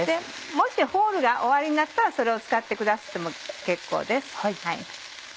もしホールがおありになったらそれを使ってくださっても結構です。